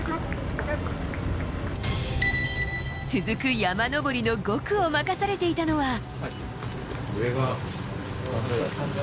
続く山上りの５区を任されていたのは。